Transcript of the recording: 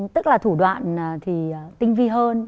tức là thủ đoạn thì tinh vi hơn